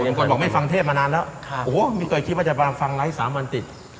บางคนบอกไม่ฟังเทพมานานแล้วโอ้โหไม่เคยคิดว่าจะฟังไลค์๓วันติด